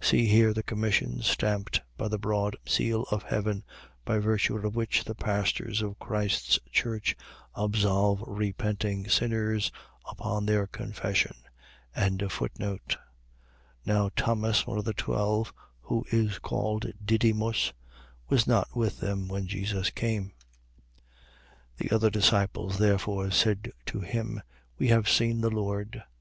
.See here the commission, stamped by the broad seal of heaven, by virtue of which the pastors of Christ's church absolve repenting sinners upon their confession. 20:24. Now Thomas, one of the twelve, who is called Didymus, was not with them when Jesus came. 20:25. The other disciples therefore said to him: We have seen the Lord.